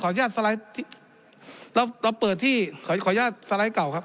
อนุญาตสไลด์เราเราเปิดที่ขออนุญาตสไลด์เก่าครับ